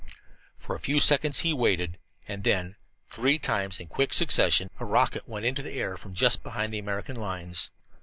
For a few seconds he waited, and then, three times in quick succession, a rocket went into the air from just behind the American lines.